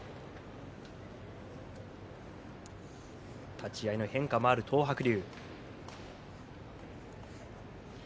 立ち合いの変化もある東白龍。